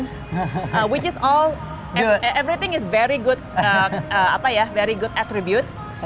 suka komplain yang semua adalah atribut yang sangat baik